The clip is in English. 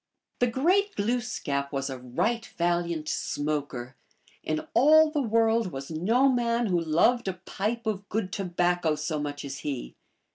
The great Glooskap was a right valiant smoker ; in all the world was no man who loved a pipe of good tobacco so much as he.